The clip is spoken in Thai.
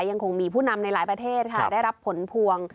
ยังคงมีผู้นำในหลายประเทศค่ะได้รับผลพวง